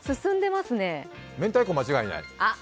めんたいこ、間違いない。